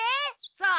そう。